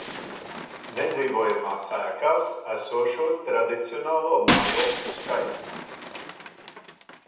Nedzīvojamās ēkās esošo tradicionālo mājokļu skaits